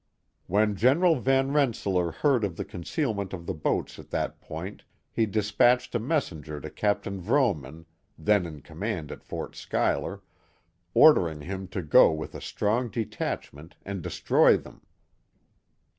When Gen. Van Rensselaer heard of the concealment of the boats at that point, he dispatched a messenger to Captain Vrooman, then in command at Fort Schuyler, ordering him to go with a strong detachment and destroy them.